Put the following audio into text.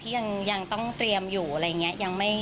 ยังต้องเตรียมอยู่อะไรอย่างนี้